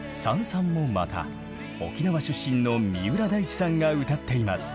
「燦燦」もまた沖縄出身の三浦大知さんが歌っています。